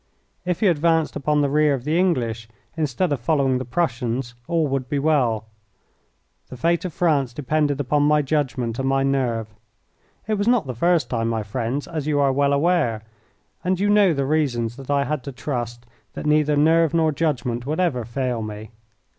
If he advanced upon the rear of the English instead of following the Prussians all would be well. The fate of France depended upon my judgment and my nerve. It was not the first time, my friends, as you are well aware, and you know the reasons that I had to trust that neither nerve nor judgment would ever fail me.